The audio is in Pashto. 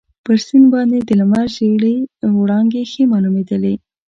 پر سیند باندي د لمر ژېړې وړانګې ښې معلومیدلې.